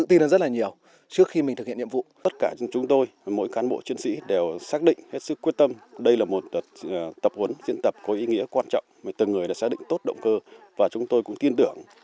tập huấn diễn tập có ý nghĩa quan trọng từng người đã xác định tốt động cơ và chúng tôi cũng tin tưởng